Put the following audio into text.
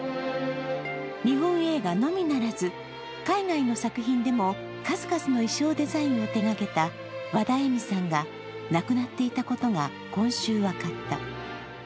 日本映画のみならず、海外の作品でも数々の衣装デザインを手がけたワダエミさんが亡くなっていたことが今週分かった。